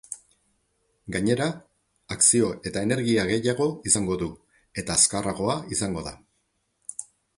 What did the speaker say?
Gainera, akzio eta energia gehiago izango du eta azkarragoa izango da.